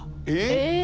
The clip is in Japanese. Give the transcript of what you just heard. えっ！